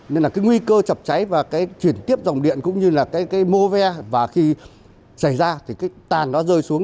nên là cái nguy cơ chập cháy và cái chuyển tiếp dòng điện cũng như là cái mô ve và khi xảy ra thì cái tan nó rơi xuống